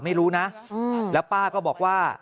ไม่รู้นะแล้วป้าก็บอกว่า